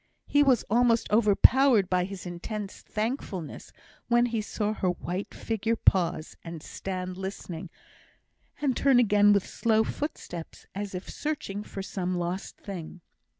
He was almost overpowered by his intense thankfulness when he saw her white figure pause, and stand listening, and turn again with slow footsteps, as if searching for some lost thing.